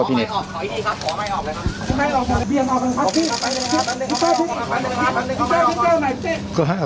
สวัสดีครับคุณผู้ชม